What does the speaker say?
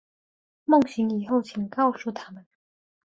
梦醒以后请告诉他们